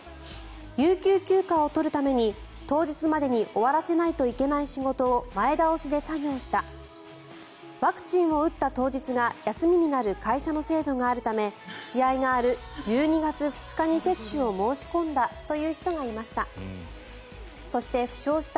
有給休暇を取るために当日までに終わらせないといけない仕事を前倒しで作業したワクチンを打った当日が休みになる会社の制度があるため試合がある１２月２日に接種を申し込んだという人がいました。